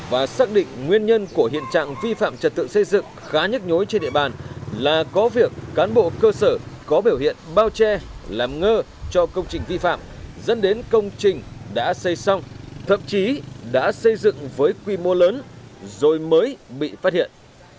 và xác định nguyên nhân của hiện trạng vi phạm trật tự xây dựng khá nhức nhối trên địa bàn là có việc cán bộ cơ sở có biểu hiện bao che làm ngơ cho công trình vi phạm dẫn đến công trình đã xây xong thậm chí đã xây dựng với quy mô lớn rồi mới bị phát hiện